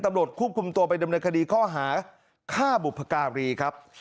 ตำรวจควบคุมตัวไปดำเนินคดีข้อหาฆ่าบุพการีครับ